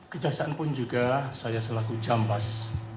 kejaksaan pun juga saya selaku jampas